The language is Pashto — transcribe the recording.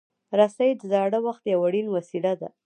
رسۍ د زاړه وخت یو اړین وسیله ده.